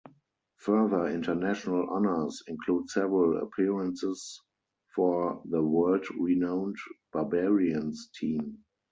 Further international honours include several appearances for the world-renowned Barbarians team.